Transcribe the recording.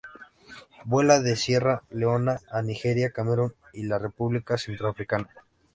Vuela de Sierra Leona a Nigeria, Camerún y la República Centroafricana.